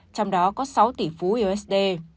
trong đó có sáu tỷ phú usd